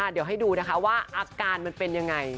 เดี๋ยวให้ดูนะคะว่าอาการมันเป็นยังไง